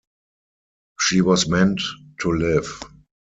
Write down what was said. She was meant to live.